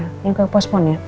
ini yang kepospon ya